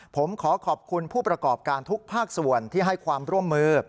ผมขอขอบคุณผู้ประกอบการทุกภาคส่วนที่ให้ความร่วมมือ